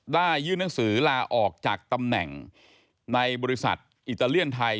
ยื่นหนังสือลาออกจากตำแหน่งในบริษัทอิตาเลียนไทย